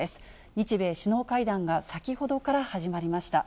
日米首脳会談が先ほどから始まりました。